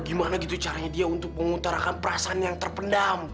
gimana gitu caranya dia untuk mengutarakan perasaan yang terpendam